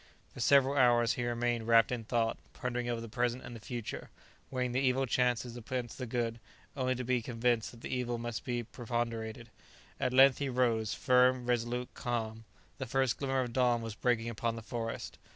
For several hours he remained wrapped in thought, pondering over the present and the future, weighing the evil chances against the good, only to be convinced that the evil much preponderated. At length he rose, firm, resolute, calm. The first glimmer of dawn was breaking upon the forest.